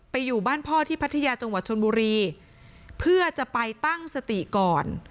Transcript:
อยู่บ้านพ่อที่พัทยาจังหวัดชนบุรีเพื่อจะไปตั้งสติก่อน